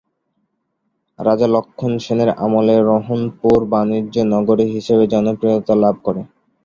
রাজা লক্ষন সেনের আমলে রহনপুর বাণিজ্য নগরী হিসেবে জনপ্রিয়তা লাভ করে।